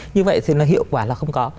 như vậy thì nó hiệu quả là không có